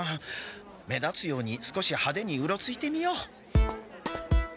目立つように少しはでにうろついてみよう。